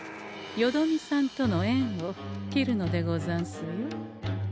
よどみさんとの縁を切るのでござんすよ。